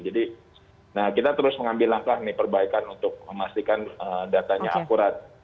jadi kita terus mengambil langkah perbaikan untuk memastikan datanya akurat